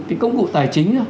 cái công cụ tài chính